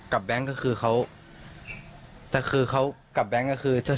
กับแบงก์ก็คือว่าเขา